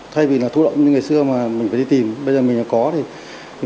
thay vì là thu động như ngày xưa mà mình phải đi tìm bây giờ mình có thì